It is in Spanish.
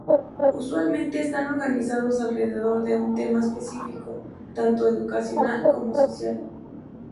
Usualmente están organizados alrededor de un tema específico, tanto educacional como social.